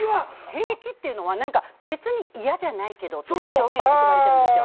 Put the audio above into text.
「平気」っていうのは別に嫌じゃないけどっていう表現が含まれてるんですよ。